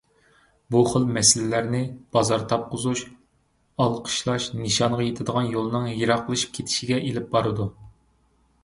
بۇخىل مەسىلىلەرنى بازار تاپقۇزۇش، ئالقىشلاش نىشانغا يېتىدىغان يولنىڭ يېراقلىشىپ كېتىشىگە ئېلىپ بارىدۇ.